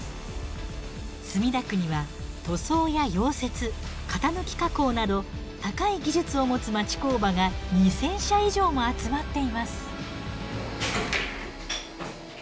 墨田区には塗装や溶接型抜き加工など高い技術を持つ町工場が２，０００社以上も集まっています。